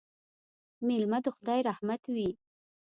مېلمه د خدای رحمت وي